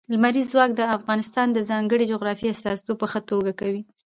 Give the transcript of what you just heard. لمریز ځواک د افغانستان د ځانګړي جغرافیې استازیتوب په ښه توګه کوي.